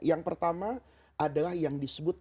yang pertama adalah yang disebut